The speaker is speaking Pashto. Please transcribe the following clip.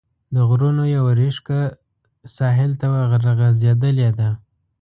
د غرونو یوه ريښکه ساحل ته ورغځېدلې ده.